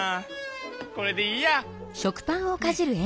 これでいいや。